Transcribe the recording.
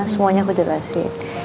semuanya aku jelasin